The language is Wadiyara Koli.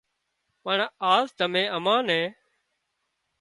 پڻ آز تمين امان نين